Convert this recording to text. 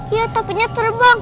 iya topinya terbang